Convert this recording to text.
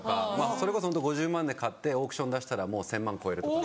それこそ５０万で買ってオークション出したらもう１０００万超えるとか。